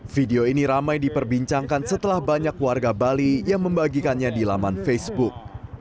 video ini ramai diperbincangkan setelah banyak warga bali yang membagikannya di laman facebook